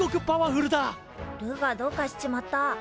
ルーがどうかしちまった。